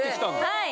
はい！